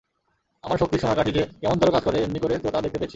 আমার শক্তির সোনার কাঠি যে কেমনতরো কাজ করে এমনি করে তো তা দেখতে পেয়েছি।